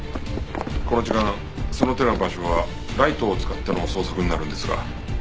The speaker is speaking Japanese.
この時間その手の場所はライトを使っての捜索になるんですが。